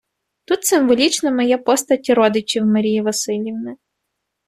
Тут символічними є постаті родичів Марії Василівни.